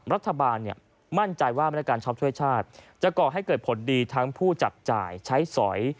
รัฐบาลมั่นใจว่ามาตรการช็อปช่วยชาติจะก่อให้เกิดผลดีทั้งผู้จับจ่ายใช้สอย